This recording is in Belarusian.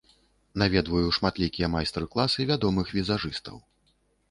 Наведваю шматлікія майстар-класы вядомых візажыстаў.